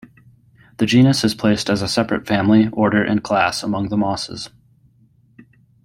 The genus is placed as a separate family, order and class among the mosses.